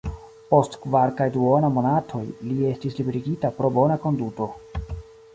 Post kvar kaj duona monatoj li estis liberigita pro bona konduto.